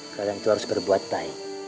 kalian itu harus berbuat baik